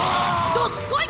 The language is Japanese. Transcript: どすこい！